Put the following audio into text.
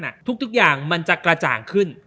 ทุกอย่างมันจะกระจ่างขึ้น